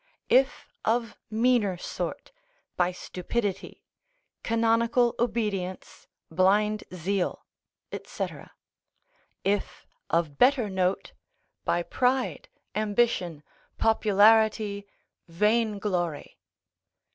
If of meaner sort, by stupidity, canonical obedience, blind zeal, &c. If of better note, by pride, ambition, popularity, vainglory.